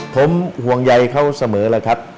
ผมห่วงใยเขาเสมอแล้วครับ